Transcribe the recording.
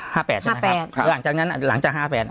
ห้าแปดใช่ไหมครับห้าแปดหรือหลังจากนั้นอ่ะหลังจากห้าแปด